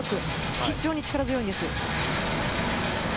非常に力強いです。